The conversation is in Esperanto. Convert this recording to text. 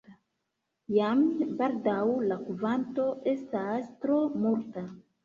Jam baldaŭ la kvanto estas tro multa.